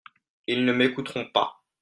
Ils ne m'écouteront pas.